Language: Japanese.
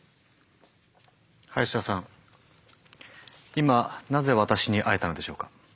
今なぜ私に会えたのでしょうか？